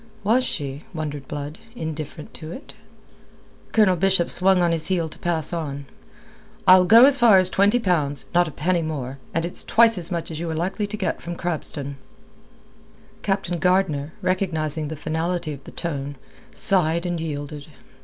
Was she, wondered Blood, indifferent to it? Colonel Bishop swung on his heel to pass on. "I'll go as far as twenty pounds. Not a penny more, and it's twice as much as you are like to get from Crabston." Captain Gardner, recognizing the finality of the tone, sighed and yielded.